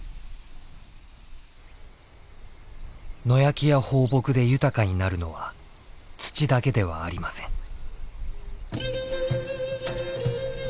野焼きや放牧で豊かになるのは土だけではありません。